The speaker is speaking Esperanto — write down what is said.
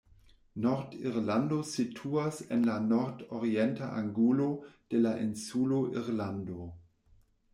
Nord-Irlando situas en la nord-orienta angulo de la insulo Irlando.